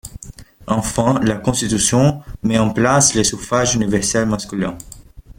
Enfin, la constitution met en place le suffrage universel masculin.